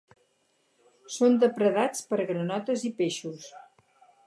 Són depredats per granotes i peixos.